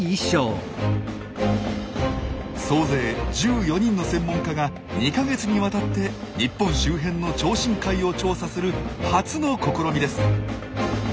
総勢１４人の専門家が２か月にわたって日本周辺の超深海を調査する初の試みです。